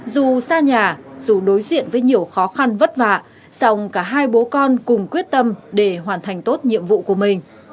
dù xa nhà dù đối diện với nhiều khó khăn vất vả song cả hai bố con cùng quyết tâm để hoàn thành tốt nhiệm vụ của mình